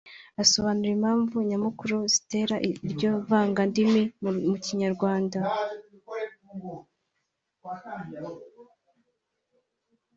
asobanura impamvu nyamukuru zitera iryo vangandimi mu Kinyarwanda